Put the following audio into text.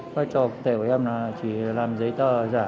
phai trò của em là chỉ làm giấy tờ giả